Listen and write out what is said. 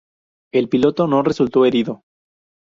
El piloto no resultó herido.